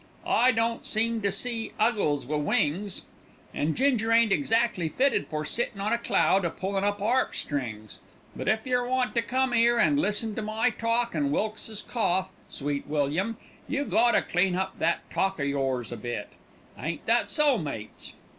I don't seem to see 'Uggles wi' wings, and Ginger ain't exactly fitted for sittin' on a cloud a pullin' 'arp strings; but if yer want to come 'ere an' listen to my talk and Wilkes's cough, Sweet William, you got to clean up that talk o' yours a bit. Ain't that so, mates?"